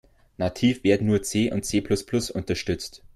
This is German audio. Nativ werden nur C und C-plus-plus unterstützt.